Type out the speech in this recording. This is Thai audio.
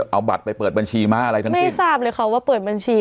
เอาบัตรไปเปิดบัญชีม้าอะไรทั้งนั้นไม่ทราบเลยค่ะว่าเปิดบัญชี